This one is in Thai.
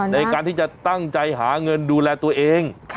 ในการที่จะตั้งใจหาเงินดูแลตัวเอง